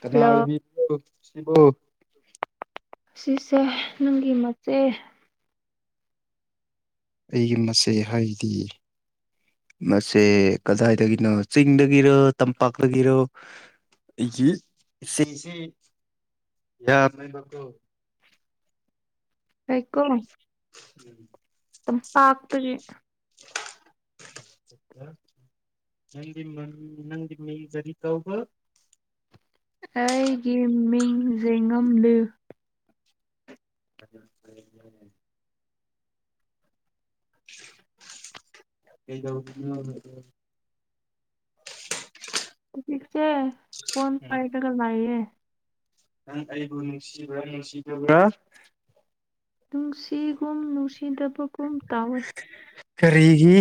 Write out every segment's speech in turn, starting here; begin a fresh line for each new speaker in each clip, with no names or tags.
ꯀꯥꯅ
ꯍꯜꯂꯣ
ꯑꯣꯏꯕꯤꯕꯅꯣ ꯁꯤꯕꯨ
ꯑꯁꯤꯁꯦ ꯅꯪꯒꯤ ꯃꯆꯦ
ꯑꯩꯒꯤ ꯃꯆꯦ ꯍꯥꯏꯗꯤ ꯃꯁꯦ ꯀꯗꯥꯏꯗꯒꯤꯅꯣ ꯆꯤꯡꯗꯒꯤꯔꯣ ꯇꯝꯄꯥꯛꯇꯒꯤꯔꯣ [inaudible]
ꯑꯩꯀꯣ
[inaudible]
ꯑꯗꯨꯝ ꯄꯥꯥꯛꯇꯒꯤ
[inaudible] [inaudible]
ꯑꯩꯒꯤ ꯃꯤꯡ ꯖꯦꯡꯉꯝꯂꯨ
[inaudible] ꯀꯩꯗꯧꯔꯤꯅꯣ
[inaudible] ꯏꯆꯦ ꯐꯣꯟ ꯄꯥꯏꯔꯒ ꯂꯩꯌꯦ
ꯅꯪ ꯑꯩꯕꯨ ꯅꯨꯡꯁꯤꯕ꯭ꯔꯥ ꯅꯨꯡꯁꯤꯗꯕ꯭ꯔꯥ
ꯅꯨꯡꯁꯤꯒꯨꯝ ꯅꯨꯡꯁꯤꯗꯕꯒꯨꯝ ꯇꯥꯎꯋꯦ
ꯀꯔꯤꯒꯤ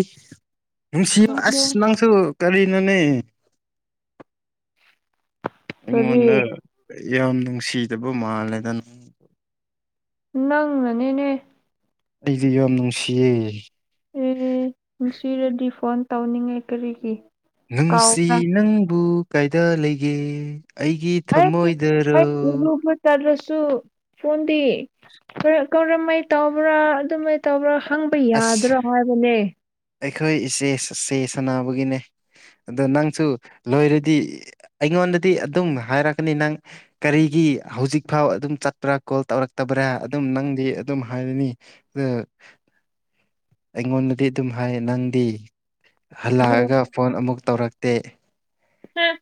ꯅꯨꯡꯁꯤꯎ
ꯈꯪꯕꯣ
ꯑꯁ ꯅꯪꯁꯨ ꯀꯔꯤ ꯅꯣꯅꯦ
ꯀꯔꯤ
ꯑꯩꯉꯣꯟꯗ ꯌꯥꯝ ꯅꯨꯡꯁꯤꯗꯕ ꯃꯥꯜꯂꯦꯗ ꯅꯪ
ꯅꯪꯅꯅꯤꯅꯦ
ꯑꯩꯗꯤ ꯌꯥꯝ ꯅꯨꯡꯁꯤꯌꯦ
ꯑꯦ ꯅꯨꯡꯁꯤꯔꯗꯤ ꯐꯣꯟ ꯇꯧꯅꯤꯡꯉꯦ ꯀꯔꯤꯒꯤ
ꯅꯨꯡꯁꯤ
ꯀꯥꯎꯕ꯭ꯔꯥ
ꯅꯪꯕꯨ ꯀꯩꯗ ꯂꯩꯒꯦ ꯑꯩꯒꯤ
ꯑꯩ
ꯊꯃꯣꯏꯗꯔꯣ
ꯑꯩ ꯏꯔꯨꯕ ꯆꯥꯠꯂꯁꯨ ꯐꯣꯟꯗꯤ ꯀꯔ ꯀꯔꯝꯃꯥꯏ ꯇꯧꯕ꯭ꯔꯥ ꯑꯗꯨꯃꯥꯏ ꯇꯧꯕ꯭ꯔꯥ ꯍꯪꯕ
ꯑꯁ
ꯌꯥꯗ꯭ꯔꯣ ꯍꯥꯏꯕꯅꯦ
ꯑꯩꯈꯣꯏ ꯏꯆꯦ ꯁꯨ ꯆꯦꯁ ꯁꯥꯟꯅꯕꯒꯤꯅꯦ ꯑꯗꯣ ꯅꯪꯁꯨ ꯂꯣꯏꯔꯗꯤ ꯑꯩꯉꯣꯟꯗꯗꯤ ꯑꯗꯨꯝ ꯍꯥꯏꯔꯛꯀꯅꯤ ꯅꯪ ꯀꯔꯤꯒꯤ ꯍꯧꯖꯤꯛ ꯐꯥꯎ ꯑꯗꯨꯝ ꯆꯠꯄ꯭ꯔꯥ ꯀꯣꯜ ꯇꯧꯔꯛ ꯇꯕ꯭ꯔꯥ ꯑꯗꯨꯝ ꯅꯪꯗꯤ ꯑꯗꯨꯝ ꯍꯥꯏꯔꯅꯤ ꯗꯣ ꯑꯩꯉꯣꯟꯗꯗꯤ ꯑꯗꯨꯝ ꯍꯥꯏ ꯅꯪꯗꯤ
ꯑꯣ
ꯍꯜꯂꯥꯑꯒ ꯐꯣꯟ ꯑꯃꯨꯛ ꯇꯧꯔꯛ ꯇꯦ
[unintelligible]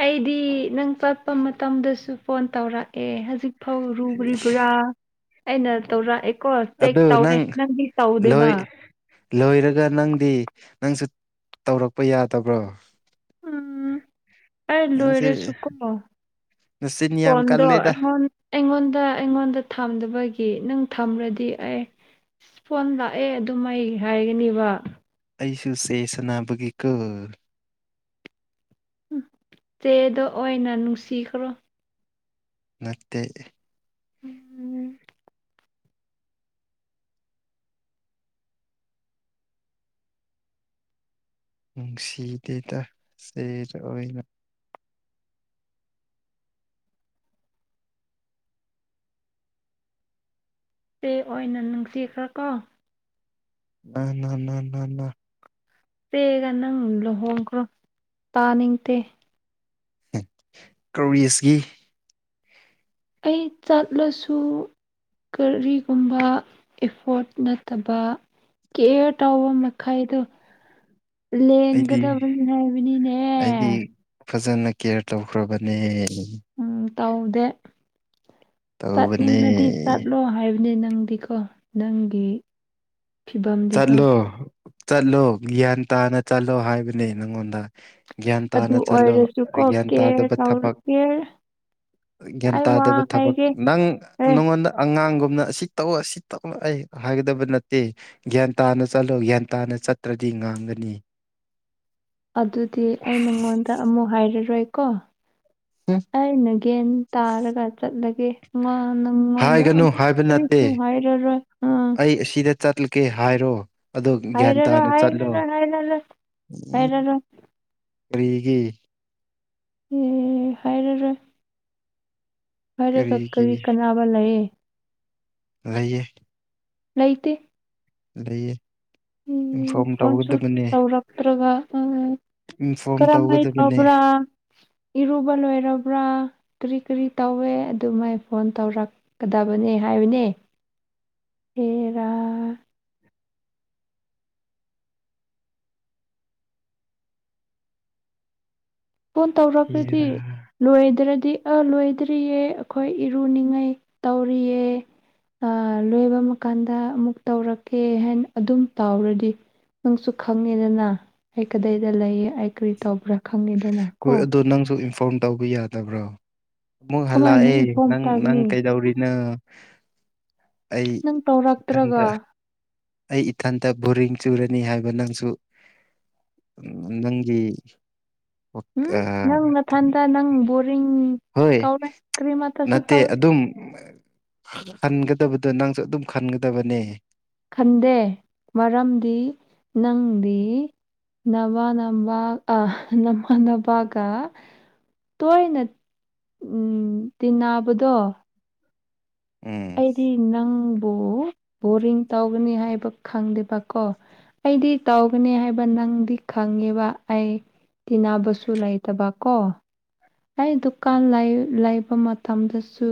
ꯑꯩꯗꯤ ꯅꯪ ꯆꯠꯄ ꯃꯇꯝꯗꯁꯨ ꯐꯣꯟ ꯇꯧꯔꯛꯑꯦ ꯍꯧꯖꯤꯛ ꯐꯧ ꯔꯨꯔꯤꯕ꯭ꯔꯥ ꯑꯩꯅ ꯇꯧꯔꯛꯑꯦ
ꯑꯗꯨ ꯅꯪ ꯂꯣꯏ ꯂꯣꯏꯔꯒ ꯅꯪꯗꯤ ꯅꯪꯁꯨ ꯇꯧꯔꯛꯄ ꯌꯥꯗꯕ꯭ꯔꯣ
ꯎꯝ ꯑꯩ
ꯅꯪꯁꯦ
ꯂꯣꯏꯔꯁꯨꯀꯣ
ꯅꯆꯤꯟ ꯌꯥꯝ
ꯐꯣꯟꯗꯣ
ꯀꯜꯂꯦꯗ
ꯑꯩꯉꯣꯟ ꯑꯩꯉꯣꯟꯗ ꯑꯩꯉꯣꯟꯗ ꯊꯝꯗꯕꯒꯤ ꯅꯪ ꯊꯝꯔꯗꯤ ꯑꯩ ꯐꯣꯟ ꯂꯥꯛꯑꯦ ꯑꯗꯨꯝ ꯑꯩ ꯍꯥꯏꯒꯅꯦꯕꯥ
ꯑꯩꯁꯨ ꯆꯦ ꯁꯥꯅꯕꯒꯤ ꯀꯣ
ꯎꯝ ꯆꯦꯗꯣ ꯑꯣꯏꯅ ꯅꯨꯡꯁꯤꯈ꯭ꯔꯣ
ꯅꯠꯇꯦ
ꯎꯝ
ꯅꯨꯡꯁꯤꯗꯦꯗꯤ ꯆꯦꯗ ꯑꯣꯏꯅ
ꯆꯦ ꯑꯣꯏꯅ ꯅꯨꯡꯁꯤꯈ꯭ꯔꯣꯀꯣ
ꯅ ꯅ ꯅ ꯅ ꯅ
ꯆꯦꯒ ꯅꯪ ꯂꯨꯍꯣꯡꯈ꯭ꯔꯣ ꯇꯥꯅꯤꯡꯇꯦ
ꯀꯧꯔꯤꯁꯒꯤ
ꯑꯩ ꯆꯠꯂꯁꯨ ꯀꯔꯤꯒꯨꯝꯕ ꯑꯦꯐꯣꯔꯠ ꯅꯠꯇꯕ ꯀꯦꯌꯔ ꯇꯧꯕ ꯃꯈꯩꯗꯣ
ꯑꯩꯗꯤ
ꯂꯦꯡꯒꯗꯕꯅꯤ ꯍꯥꯏꯕꯅꯤꯅꯦ
ꯑꯩꯗꯤ ꯐꯖꯅ ꯀꯦꯌꯔ ꯇꯧꯈ꯭ꯔꯕꯅꯦ
ꯎꯝ ꯇꯧꯗꯦ
ꯇꯧꯕꯅꯦ
ꯆꯠꯅꯤꯡꯕꯗꯤ ꯆꯠꯂꯣ ꯍꯥꯏ ꯅꯦ ꯅꯪꯗꯤꯀꯣ ꯅꯪꯒꯤ ꯐꯤꯕꯝꯗꯤꯀꯣ
ꯆꯠꯂꯣ ꯆꯠꯂꯣ ꯒ꯭ꯌꯥꯟ ꯇꯥꯅ ꯆꯠꯂꯣ ꯍꯥꯏꯕꯅꯦ ꯅꯪꯉꯣꯟꯗ ꯒ꯭ꯌꯥꯟ
ꯑꯗꯨ
ꯇꯥꯅ ꯆꯠꯂꯣ
ꯑꯣꯏꯔꯁꯨꯀꯣ
ꯒ꯭ꯌꯥꯟ
ꯀꯦꯌꯔ
ꯇꯥꯗꯕ
ꯇꯧ
ꯊꯕꯛ
ꯀꯦꯌꯔ
ꯒ꯭ꯌꯥꯟ
ꯑꯩ ꯋꯥ
ꯇꯥꯗꯕ ꯊꯕꯛ
ꯍꯥꯏꯒꯦ
ꯅꯪ
ꯑꯦ
ꯅꯉꯣꯟꯗ ꯑꯉꯥꯡꯒꯨꯝ ꯅ ꯑꯁꯤ ꯇꯧꯑꯣ ꯑꯁꯤ ꯇꯧꯑꯣ ꯑꯩ ꯍꯥꯏꯒꯗꯕ ꯅꯠꯇꯦ ꯒ꯭ꯌꯥꯟ ꯇꯥꯅ ꯆꯠꯂꯣ ꯒ꯭ꯌꯥꯟ ꯇꯥꯅ ꯆꯠꯇ꯭ꯔꯗꯤ ꯉꯥꯡꯒꯅꯤ
ꯑꯗꯨꯗꯤ ꯑꯩ ꯅꯉꯣꯟꯗ ꯑꯃꯨꯛ ꯍꯥꯏꯔꯔꯣꯏꯀꯣ
ꯎꯝ
ꯑꯩꯅ ꯒ꯭ꯌꯥꯟ ꯇꯥꯔꯒ ꯆꯠꯂꯒꯦ ꯃꯥ ꯅꯉꯣꯟꯗ
ꯍꯥꯏꯒꯅꯨ
ꯑꯃꯨꯛ
ꯍꯥꯏꯕ ꯅꯠꯇꯦ
ꯀ꯭ꯔꯤꯁꯨ ꯍꯥꯏꯔꯔꯣꯏ ꯑꯥ
ꯑꯩ ꯑꯁꯤꯗ ꯆꯠꯂꯒꯦ ꯍꯥꯏꯔꯣ ꯑꯗꯣ ꯒ꯭ꯌꯥꯟ
ꯍꯥꯏꯔꯔꯣꯏ
ꯇꯥꯅ ꯆꯠꯂꯣ
ꯍꯥꯏꯔꯔꯣꯏ ꯍꯥꯏꯔꯔꯣꯏ
ꯎꯝ
ꯍꯥꯏꯔꯔꯣꯏ
ꯀꯔꯤꯒꯤ
ꯑꯦ ꯍꯥꯏꯔꯔꯣꯏ ꯍꯥꯏꯔꯒ
ꯀꯔꯤꯒꯤ
ꯀꯔꯤ ꯀꯥꯟꯅꯕ ꯂꯩꯌꯦ
ꯂꯩꯌꯦ
ꯂꯩꯇꯦ
ꯂꯩꯌꯦ
ꯎꯝ
ꯏꯟꯐꯣꯔꯝ
ꯐꯣꯟꯁꯨ
ꯇꯧꯒꯗꯕꯅꯦ ꯏꯟꯐꯣꯔꯝ
ꯀꯔꯝ ꯍꯥꯏ
ꯇꯧꯒꯗꯕꯅꯦ
ꯇꯧꯕ꯭ꯔꯥ ꯏꯔꯨꯕ ꯂꯣꯏꯔꯕ꯭ꯔꯥ ꯀꯔꯤ ꯀꯔꯤ ꯇꯧꯋꯦ ꯑꯗꯨꯃꯥꯏ ꯐꯣꯟ ꯇꯧꯔꯛꯀꯗꯕꯅꯦ ꯍꯥꯏꯕꯅꯦ ꯍꯦꯔꯥ ꯐꯣꯟ ꯇꯧꯔꯛꯄꯗꯤ
ꯍꯦꯔꯥ
ꯂꯣꯏꯗ꯭ꯔꯗꯤ ꯑꯥ ꯂꯣꯏꯗ꯭ꯔꯤꯌꯦ ꯑꯈꯣꯏ ꯏꯔꯨꯅꯤꯡꯉꯥꯏ ꯇꯧꯔꯤꯌꯦ ꯑꯥꯥ ꯂꯣꯏꯕ ꯃ ꯀꯥꯟꯗ ꯑꯃꯨꯛ ꯇꯧꯔꯛꯀꯦ ꯍꯥꯏꯅ ꯑꯗꯨꯝ ꯇꯥꯎꯔꯗꯤ ꯅꯪꯁꯨ ꯈꯪꯉꯦꯗꯅ ꯑꯩ ꯀꯗꯥꯏꯗ ꯂꯩ ꯑꯩ ꯀꯔꯤ ꯇꯧꯕ꯭ꯔꯥ ꯈꯪꯉꯤꯗꯅ
ꯍꯣꯏ ꯑꯗꯣ ꯅꯪꯁꯨ ꯏꯟꯐꯣꯔꯝ ꯇꯧꯕ ꯌꯥꯗꯕ꯭ꯔꯣ ꯑꯃꯨꯛ
ꯀꯃꯥꯏꯅ
ꯍꯜꯂꯛꯑꯦ
ꯏꯟꯐꯣꯝ
ꯅꯪ ꯅꯪ
ꯇꯧꯒꯅꯤ
ꯀꯩꯗꯧꯔꯤꯅꯣ ꯑꯩ
ꯅꯪ ꯇꯧꯔꯛꯇ꯭ꯔꯒ
ꯏꯊꯟꯇ ꯑꯩ ꯏꯊꯟꯇ ꯕꯣꯔꯤꯡ ꯆꯨꯔꯅꯤ ꯍꯥꯏꯕ ꯅꯪꯁꯨ ꯎꯝ ꯅꯪꯒꯤ
ꯎꯝ ꯅꯪ ꯅꯊꯟꯗ ꯅꯪ ꯕꯣꯔ
ꯍꯣꯏ ꯅꯠꯇꯦ
ꯇꯧꯔꯦ
ꯑꯗꯨꯝ ꯈꯟꯒꯗꯕꯗꯣ ꯅꯪꯁꯨ ꯑꯗꯨꯝ ꯈꯟꯒꯗꯕꯅꯦ
ꯈꯟꯗꯦ ꯃꯔꯝꯗꯤ ꯅꯪꯗꯤ ꯅꯃꯥ ꯅꯝꯕ ꯑ ꯅꯃꯥ ꯅꯄꯥꯒ ꯇꯣꯏꯅ ꯎꯝ ꯇꯤꯟꯅꯕꯗꯣ
ꯎꯝ
ꯑꯩꯗꯤ ꯅꯪꯕꯨ ꯕꯣꯔꯤꯡ ꯇꯧꯒꯅꯤ ꯍꯥꯏꯕ ꯈꯪꯗꯦꯕꯀꯣ ꯑꯩꯗꯤ ꯇꯧꯒꯅꯤ ꯍꯥꯏꯕ ꯅꯪꯗꯤ ꯈꯪ ꯈꯪꯉꯤꯕ ꯑꯩ ꯇꯤꯟꯅꯕꯁꯨ ꯂꯩꯇꯕ ꯀꯣ ꯑꯩ ꯗꯨꯀꯥꯟ ꯂꯩ ꯂꯩꯕ ꯃꯇꯝꯗꯁꯨ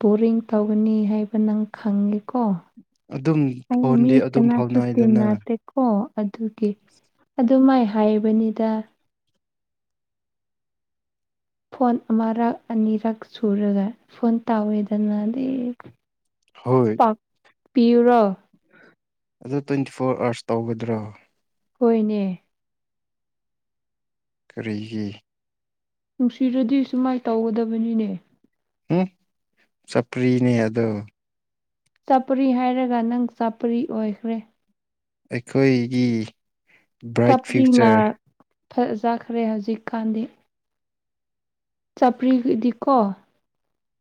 ꯕꯣꯔꯤꯡ ꯇꯧꯒꯅꯤ ꯍꯥꯏꯕ ꯅꯪ ꯈꯪꯉꯤꯀꯣ
ꯑꯗꯨꯝ
ꯑꯩ ꯃꯤ
ꯐꯣꯟꯗꯤ ꯑꯗꯨꯝ
ꯀꯅꯥꯁꯨ
ꯐꯥꯎꯅꯩꯗꯅ
ꯇꯤꯟꯅꯥꯗꯦꯀꯣ ꯑꯗꯨꯒꯤ ꯑꯗꯨ ꯃꯥꯏ ꯍꯥꯏꯕꯅꯤꯗ ꯐꯣꯟ ꯑꯃꯔꯛ ꯑꯅꯤꯔꯛ ꯁꯨꯔꯒ ꯐꯣꯟ ꯇꯧꯋꯦꯗꯅ ꯗꯤ
ꯍꯣꯏ
ꯄꯤꯌꯨꯔꯣ
ꯑꯗꯣ ꯇ꯭ꯋꯦꯟꯇꯤ ꯐꯣꯔ ꯑꯋꯥ꯭ꯔꯁ ꯇꯧꯒꯗ꯭ꯔꯣ
ꯍꯣꯏꯅꯦ
ꯀꯔꯤꯒꯤ
ꯅꯨꯡꯁꯤꯔꯗꯤ ꯁꯨꯃꯥꯏꯅ ꯇꯧꯒꯗꯕꯅꯤꯅꯦ
ꯎꯝ ꯆꯄ꯭ꯔꯤꯅꯦ ꯑꯗꯣ
ꯆꯄꯔꯤ ꯍꯥꯏꯔꯒ ꯅꯪ ꯆꯄꯔꯤ ꯑꯣꯏꯈ꯭ꯔꯦ
ꯑꯈꯣꯏꯒꯤ ꯕ꯭ꯔꯥꯏꯠ
ꯆꯥꯄ꯭ꯔꯤꯅ
ꯐ꯭ꯌꯨꯆꯔ
ꯐꯖꯈ꯭ꯔꯦ ꯍꯧꯖꯤꯛ ꯀꯥꯟꯗꯤ ꯆꯥꯄ꯭ꯔꯤꯒꯤꯗꯤꯀꯣ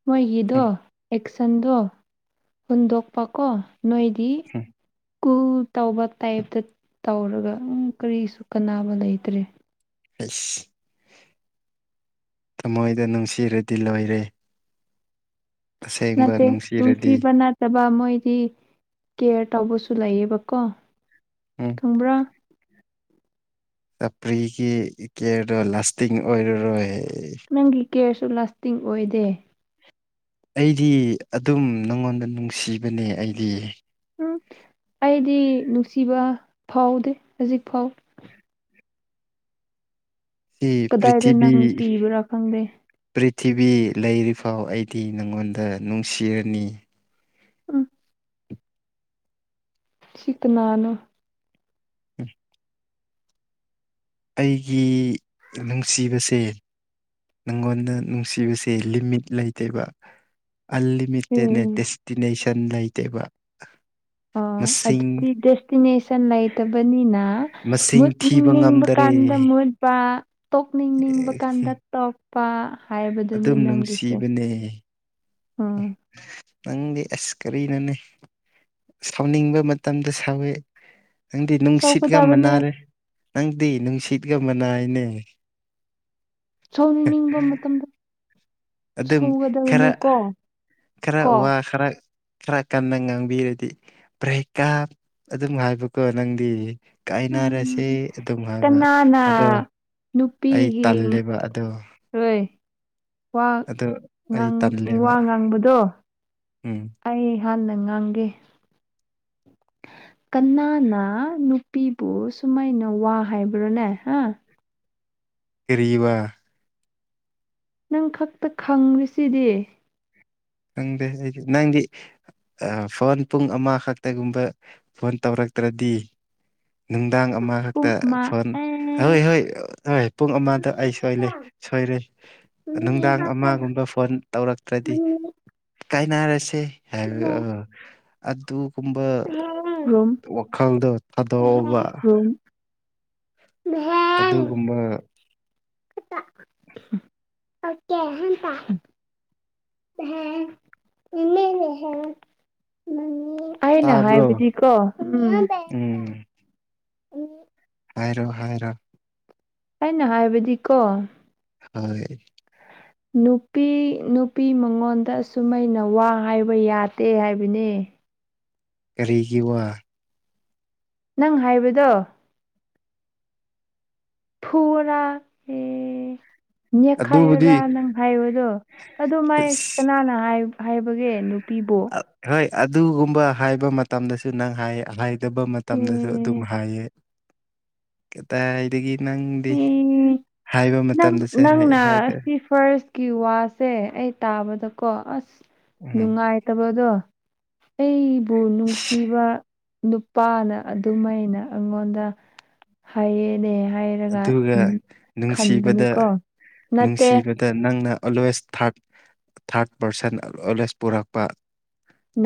ꯃꯣꯏꯒꯤꯗꯣ
ꯎꯝ
ꯑꯦꯛꯁꯟꯗꯣ ꯍꯨꯟꯗꯣꯛꯄꯀꯣ ꯅꯣꯏꯗꯤ
ꯎꯝ
ꯁ꯭ꯀꯨꯜ ꯇꯧꯕ ꯇꯥꯏꯞꯇ ꯇꯧꯔꯒ ꯀꯔꯤꯁꯨ ꯀꯥꯟꯅꯕ ꯂꯩꯇ꯭ꯔꯦ
ꯑꯁ ꯊꯃꯣꯏꯗ ꯅꯨꯡꯁꯤꯔꯗꯤ ꯂꯣꯏꯔꯦ ꯑꯁꯦꯡꯕ
ꯅꯠꯇꯦ
ꯅꯨꯡꯁꯤꯔꯗꯤ
ꯅꯨꯡꯁꯤꯕ ꯅꯠꯇꯕ ꯃꯣꯏ ꯍꯥꯏꯗꯤ ꯀꯦꯌꯔ ꯇꯧꯕꯁꯨ ꯂꯩꯌꯦꯕꯀꯣ
ꯎꯝ
ꯈꯪꯕ꯭ꯔꯥ
ꯇꯄ꯭ꯔꯤꯁꯤ ꯀꯤꯌ꯭ꯔꯗꯣ ꯂꯥꯁꯇꯤꯡ ꯑꯣꯏꯔꯔꯣꯏ
ꯅꯪꯒꯤ ꯀꯦꯌ꯭ꯔꯁꯨ ꯂꯥꯁꯇꯤꯡ ꯑꯣꯏꯗꯦ
ꯑꯩꯗꯤ ꯑꯗꯨꯝ ꯅꯉꯣꯟꯗ ꯅꯨꯡꯁꯤꯕꯅꯦ ꯑꯩꯗꯤ
ꯎꯝ ꯑꯩꯗꯤ ꯅꯨꯡꯁꯤꯕ ꯐꯥꯎꯗꯦ ꯍꯧꯖꯤꯛ ꯐꯥꯎ
ꯏ
ꯀꯗꯥꯏꯗ
ꯄ꯭ꯔꯤꯊꯤꯕꯤ
ꯅꯪ ꯄꯤꯕ꯭ꯔꯥ ꯈꯪꯗꯦ
ꯄ꯭ꯔꯤ ꯇꯤꯚꯤ ꯂꯩꯔꯤꯐꯥꯎ ꯑꯩꯗꯤ ꯅꯪꯉꯣꯟꯗ ꯅꯨꯡꯁꯤꯔꯅꯤ
ꯎꯝ ꯁꯤ ꯀꯅꯥꯅꯣ
[inaudible] ꯑꯩꯒꯤ ꯅꯨꯡꯁꯤꯕꯁꯦ ꯅꯪꯉꯣꯟꯗ ꯅꯨꯡꯁꯤꯕꯁꯦ ꯂꯤꯃꯤꯠ ꯂꯩꯇꯦꯕ ꯑꯟꯂꯤꯃꯤꯇꯦꯠꯅꯦ
ꯎꯝ
ꯗꯦꯁꯇꯤꯅꯦꯁꯟ ꯂꯩꯇꯦꯕ
ꯑꯣ
ꯃꯁꯤꯡ
ꯑꯗꯨꯗꯤ ꯗꯦꯁꯇꯤꯅꯦꯁꯟ ꯂꯩꯇꯕꯅꯤꯅ
ꯃꯁꯤꯡ ꯊꯤꯕ
ꯃꯨꯠꯅꯤꯡꯅꯤꯡꯕ
ꯉꯝꯗꯔꯦ
ꯀꯥꯟꯗ ꯃꯨꯠꯄ ꯇꯣꯛꯅꯤꯡꯅꯤꯡꯕ
ꯑꯦ,
ꯀꯥꯟꯗ ꯇꯣꯛ
ꯑꯗꯨꯝ ꯅꯨꯡꯁꯤꯕꯅꯦ
ꯎꯝ
ꯅꯪꯗꯤ ꯑꯁ ꯀꯔꯤꯅꯣꯅꯦ ꯁꯥꯎꯅꯤꯡꯕ ꯃꯇꯝꯗ ꯁꯥꯎꯋꯦ ꯅꯪꯗꯤ ꯅꯨꯡꯁꯤꯠꯀ
ꯁꯧꯒꯗꯕꯅꯦ
ꯃꯅꯥꯔꯦ ꯅꯪꯗꯤ ꯅꯨꯡꯁꯤꯠꯀ ꯃꯅꯥꯏꯅꯦ
ꯁꯧꯅꯅꯤꯡꯕ ꯃꯇꯝꯗ
ꯑꯗꯨꯝ
ꯁꯧꯒꯗꯕꯅꯦ
ꯈꯔ
ꯀꯣ
ꯈꯔ
ꯀꯣ
ꯋꯥ ꯈꯔ ꯈꯔ ꯀꯟꯅ ꯉꯥꯡꯕꯤꯔꯗꯤ ꯕ꯭ꯔꯦꯀꯞ ꯑꯗꯨꯝ ꯉꯥꯏꯕꯀꯣ ꯅꯪꯗꯤ ꯀꯥꯏꯅꯔꯁꯦ
ꯎꯝ
ꯑꯗꯨꯝ ꯍꯥꯏꯕ
ꯀꯅꯥꯅ
ꯑꯗꯣ ꯑꯩ
ꯅꯨꯄꯤꯒꯤ
ꯇꯜꯂꯦꯕ ꯑꯗꯣ
ꯍꯣꯏ ꯋꯥ
ꯑꯗꯣ ꯑꯩ
ꯉꯥꯡ ꯋꯥ
ꯇꯜꯂꯦꯕ
ꯉꯥꯡꯕꯗꯣ
ꯎꯝ
ꯑꯩ ꯍꯥꯟꯅ ꯉꯥꯡꯒꯦ [inaudible] ꯀꯅꯥꯅ ꯅꯨꯄꯤꯕꯨ ꯁꯨꯃꯥꯏꯅ ꯋꯥ ꯍꯥꯏꯕ꯭ꯔꯣꯅꯦ ꯍꯥ
ꯀꯔꯤ ꯋꯥ
ꯅꯪ ꯈꯛꯇ ꯈꯪꯔꯤꯁꯤꯗꯤ
ꯈꯪꯗꯦ ꯑꯩꯗꯤ ꯅꯪꯗꯤ ꯑꯥ ꯐꯣꯟ ꯄꯨꯡ ꯑꯃ ꯈꯛꯇꯒꯨꯝꯕ ꯐꯣꯟ ꯇꯧꯔꯛ ꯇ꯭ꯔꯗꯤ
[inaudible]
ꯅꯨꯡꯗꯥꯡ ꯑꯃꯈꯛꯇ
ꯄꯨꯡ ꯑꯃ
ꯐꯣꯟ ꯍꯣꯏ
ꯑꯦ
ꯍꯣꯏ ꯍꯣꯏ ꯄꯨꯡ ꯑꯃꯗ ꯑꯩ ꯁꯣꯏꯂꯩ ꯁꯣꯏ ꯔꯦ ꯅꯨꯡꯗꯥꯡ ꯑꯃꯒꯨꯝꯕ ꯐꯣꯟ ꯇꯧꯔꯛꯇ꯭ꯔꯗꯤ ꯀꯥꯏꯅꯔꯁꯦ ꯍꯥꯏꯔ ꯔ ꯑꯗꯨ ꯀꯨꯝꯕ
ꯔꯨꯝ
ꯋꯥꯈꯜꯗꯣ ꯊꯥꯗꯣꯛꯑꯣꯕ
ꯔꯨꯝ
ꯑꯗꯨꯒꯨꯝꯕ
[inaudible] [unintelligible] ꯑꯩꯅ
ꯇꯥꯕ꯭ꯔꯣ
ꯍꯥꯏꯕꯗꯤꯀꯣ ꯎꯝ
ꯎꯝ ꯍꯥꯏꯔꯣ ꯍꯥꯏꯔꯣ
ꯑꯩꯅ ꯍꯥꯏꯕꯗꯤꯀꯣ
ꯍꯣꯏ
ꯅꯨꯄꯤ ꯅꯨꯄꯤ ꯃꯉꯣꯟꯗ ꯑꯁꯨꯃꯩꯅ ꯋꯥ ꯍꯥꯏꯕ ꯌꯥꯗꯦ ꯍꯥꯏꯕꯅꯦ ꯑꯦ
ꯀꯔꯤꯒꯤ ꯋꯥ
ꯅꯪ ꯍꯥꯏꯕꯗꯣ ꯐꯨꯑꯣꯔꯥ ꯎꯝ
ꯑꯗꯨꯕꯨꯗꯤ
ꯅꯦꯛꯈꯥꯏꯌꯨꯔꯥ ꯅꯪ ꯍꯥꯏꯕꯗꯣ ꯑꯗꯨ ꯃꯥꯏ ꯀꯅꯥꯅ ꯍꯥꯏ ꯍꯥꯏꯕꯒꯦ ꯅꯨꯄꯤꯕꯨ
ꯍꯣꯏ ꯑꯗꯨꯒꯨꯝꯕ ꯍꯥꯏꯕ ꯃꯇꯝꯗꯁꯨ ꯅꯪ ꯍꯥꯏꯌꯦ ꯍꯥꯏꯗꯕ ꯃꯇꯝꯗꯁꯨ ꯑꯗꯨꯝ
ꯑꯦ
ꯍꯥꯏꯌꯦ ꯀꯗꯥꯏꯗꯒꯤ ꯅꯪꯗꯤ
ꯑꯦ
ꯍꯥꯏ
ꯅꯪ
ꯃꯇꯝꯗꯁꯨ
ꯅꯪꯅ
ꯍꯥꯏꯗꯦ
ꯁꯤ ꯐꯥꯔꯁꯀꯤ ꯋꯥꯁꯦ ꯑꯩ ꯇꯥꯕꯗꯀꯣ ꯑꯁ
ꯎꯝ
ꯅꯨꯡꯉꯥꯏꯇꯕꯗꯣ ꯑꯩꯕꯨ ꯅꯨꯡꯁꯤꯕ ꯅꯨꯄꯥꯅ ꯑꯗꯨꯃꯥꯏꯅ ꯑꯩꯉꯣꯟꯗ ꯍꯥꯏꯌꯦꯅꯦ ꯍꯥꯏꯔꯒ ꯎꯝ
ꯑꯗꯨꯒ ꯅꯨꯡꯁꯤꯕꯗ
ꯈꯟꯕꯅꯤꯀꯣ ꯅꯠꯇꯦ
ꯅꯨꯡꯁꯤꯕꯗ ꯅꯪꯅ ꯑꯣꯜꯋꯦꯁ ꯊꯥꯔꯠ ꯊꯥꯔꯠ ꯄꯥꯔꯁꯟ ꯑꯣꯜꯋꯦꯁ ꯄꯨꯔꯛꯄ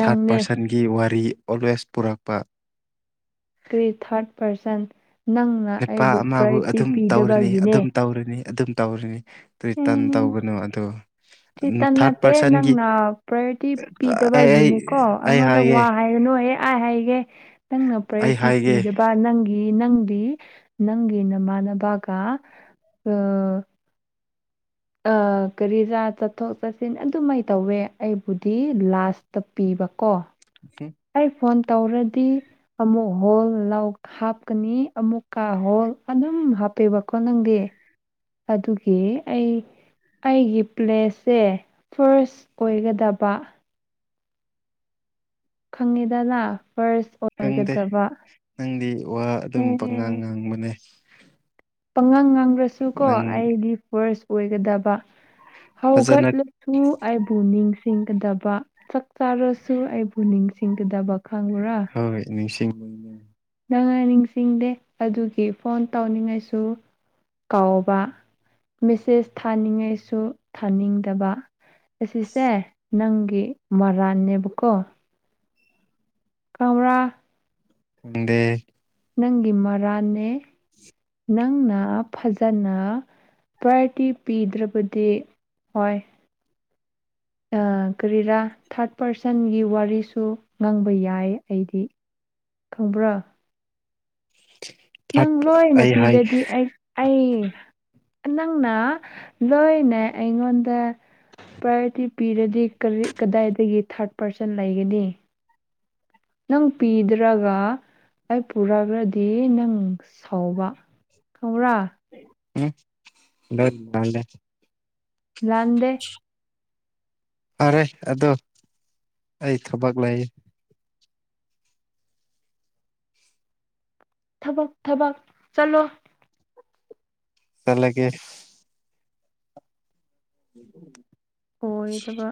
ꯊꯥꯔꯠ ꯄꯥꯔꯁꯟꯒꯤ ꯋꯥꯔꯤ ꯑꯣꯜꯋꯦꯁ ꯄꯨꯔꯛꯄ
ꯀꯔꯤ ꯊꯥꯔꯠ ꯄꯥꯔꯁꯟ ꯅꯪꯅ
ꯅꯨꯄꯥ
ꯑꯩꯕꯨ
ꯑꯃꯕꯨ
ꯄ꯭ꯔꯥꯏꯌꯣꯔꯤꯇꯤ
ꯑꯗꯨꯝ ꯇꯧꯔꯅꯤ
ꯄꯤꯗꯕꯒꯤꯅꯦ
ꯑꯗꯨꯝ ꯇꯧꯔꯅꯤ ꯑꯗꯨꯝ ꯇꯧꯔꯤꯅꯤ ꯊ꯭ꯔꯤꯇꯟ ꯇꯧꯒꯅꯨ ꯑꯗꯣ
ꯊ꯭ꯔꯤꯇꯟ
ꯊꯥꯔꯠ
ꯅꯠꯇꯦ
ꯄꯥꯔꯁꯟꯒꯤ
ꯅꯪꯅ ꯄ꯭ꯔꯥꯏꯌꯣꯔꯤꯇꯤ
ꯑꯩ ꯑꯩ
ꯄꯤꯗꯕꯒꯤꯅꯤꯀꯣ
ꯑꯩ
ꯑꯩꯉꯣꯟꯗ
ꯍꯥꯏꯒꯦ
ꯋꯥ ꯍꯥꯏꯔꯅꯨ ꯍꯣꯏꯍꯦ ꯑꯥꯏ ꯍꯥꯏꯒꯦ ꯅꯪꯅ
ꯑꯩ
ꯄ꯭ꯔꯥꯏꯌꯣꯔꯤꯇꯤ
ꯍꯥꯏꯒꯦ
ꯄꯤꯗꯕ ꯅꯪꯒꯤ ꯅꯪ ꯄꯤ ꯅꯪꯒꯤ ꯃꯥꯃꯥꯟꯅꯕꯒ ꯑꯥ ꯑ ꯀꯔꯤꯔ ꯆꯠꯊꯣꯛ ꯆꯠꯁꯤꯟ ꯑꯗꯨꯃꯥꯏꯅ ꯇꯧꯋꯦ ꯑꯩꯕꯨꯗꯤ ꯂꯥꯁꯇ ꯄꯤ ꯕꯀꯣ
ꯎꯝ
ꯑꯩ ꯐꯣꯟ ꯇꯧꯔꯗꯤ ꯑꯃꯨꯛ ꯍꯣꯜ ꯂꯥꯎꯠ ꯍꯥꯞꯀꯅꯤ ꯑꯃꯨꯛ ꯀꯥ ꯍꯣꯜ ꯑꯗꯨꯝ ꯗꯨꯝ ꯍꯥꯞꯄꯦꯕꯀꯣ ꯅꯪꯗꯤ ꯑꯗꯨꯒꯤ ꯑꯩ ꯑꯩꯒꯤ ꯄ꯭ꯂꯦꯁꯦ ꯐꯥꯔꯁ ꯑꯣꯏꯒꯗꯕ ꯈꯪꯉꯤꯗꯅ ꯐꯥꯔꯁ
ꯈꯪꯗꯦ
ꯑꯣꯏꯒꯗꯕ
ꯅꯪꯗꯤ ꯋꯥ ꯑꯗꯨꯝ ꯄꯪꯉꯥꯡ
ꯑꯦ
ꯉꯥꯡꯕꯅꯦ
ꯄꯥꯉꯥꯡ ꯉꯥꯡꯔꯁꯨ ꯀꯣ
ꯅꯪ
ꯑꯩꯗꯤ ꯐꯥꯔꯁ ꯑꯣꯏꯒꯗꯕ
ꯐꯖꯅ
ꯍꯧꯒꯠꯂꯁꯨ ꯑꯩꯕꯨ ꯅꯤꯡꯁꯤꯡ ꯁꯤꯡꯒꯗꯕ ꯆꯥꯛ ꯆꯥꯔꯁꯨ ꯑꯩꯕꯨ ꯅꯤꯡꯁꯤꯡꯒꯗꯕ ꯈꯪꯕ꯭ꯔꯥ
ꯍꯧꯔ ꯅꯤꯡꯁꯤꯡ
ꯅꯪꯅꯥ ꯅꯤꯡꯁꯤꯡꯗꯦ ꯑꯗꯨꯒꯤ ꯐꯣꯟ ꯇꯧꯅꯤꯡꯉꯥꯏꯁꯨ ꯀꯥꯎꯕ ꯃꯦꯁꯦꯁ ꯊꯥꯅꯤꯡꯉꯥꯏꯁꯨ ꯊꯥꯅꯤꯡꯗꯕ ꯑꯁꯤꯁꯦ ꯅꯪꯒꯤ ꯃꯔꯥꯟꯅꯦꯕꯀꯣ ꯀꯧꯕ꯭ꯔꯥ
ꯈꯪꯗꯦ
ꯅꯪꯒꯤ ꯃꯔꯥꯟꯅꯦ ꯅꯪꯅ ꯐꯖꯅ ꯄ꯭ꯔꯥꯏꯌꯣꯔꯤꯇꯤ ꯄꯤꯗ꯭ꯔꯕꯗꯤ ꯍꯣꯏ ꯑ ꯀꯔꯤꯔꯥ ꯊꯥꯔꯠ ꯄꯥꯔꯁꯟꯒꯤ ꯋꯥꯔꯤꯁꯨ ꯉꯥꯡꯕ ꯌꯥꯏ ꯑꯩꯗꯤ ꯈꯪꯕ꯭ꯔꯥ
ꯊꯥꯔꯠ
ꯅꯪ ꯂꯣꯏꯅ
ꯑꯩ ꯍꯥꯏ
ꯄꯤꯔꯗꯤ ꯑꯩ ꯑꯩ ꯅꯪꯅ ꯂꯣꯏꯅ ꯑꯩꯉꯣꯟꯗ ꯄ꯭ꯔꯥꯏꯌꯣꯔꯤꯇꯤ ꯄꯤꯔꯗꯤ ꯀꯔꯤ ꯀꯗꯥꯏꯗꯒꯤ ꯊꯥꯔꯠ ꯄꯥꯔꯁꯟ ꯂꯩꯒꯅꯤ ꯑꯗꯨꯝ ꯄꯤꯗ꯭ꯔꯒ ꯑꯩ ꯄꯨꯔꯒꯗꯤ ꯅꯪ ꯁꯥꯎꯕ ꯈꯪꯕ꯭ꯔꯥ
ꯎꯝ ꯅꯠ ꯇꯜꯂꯦ
ꯂꯥꯟꯗꯦ
ꯐꯔꯦ ꯑꯗꯣ ꯑꯩ ꯊꯕꯛ ꯂꯩꯌꯦ
ꯊꯕꯛ ꯊꯕꯛ ꯆꯠꯂꯣ
ꯆꯠꯂꯒꯦ [inaudible]
ꯑꯣꯏꯗꯕ